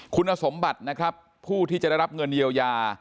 คุณสมบัตินะครับผู้ที่จะได้รับเงินเยียวยา